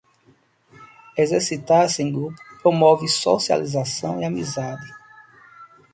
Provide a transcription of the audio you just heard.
Exercitar-se em grupo promove socialização e amizade.